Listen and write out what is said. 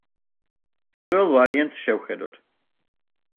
პირველ ვარიანტს შევხედოთ.